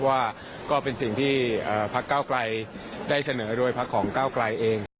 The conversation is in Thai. ว่าก็เป็นสิ่งที่พักเก้าไกลได้เสนอโดยพักของก้าวไกลเอง